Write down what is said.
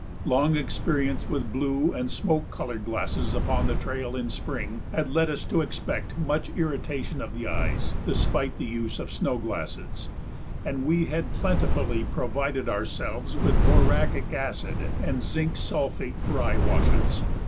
Long experience with blue and smoke colored glasses upon the trail in spring had led us to expect much irritation of the eyes despite the use of snow glasses, and we had plentifully provided ourselves with boracic acid and zinc sulphate for eye washes.